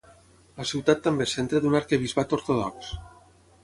La ciutat també és centre d'un arquebisbat ortodox.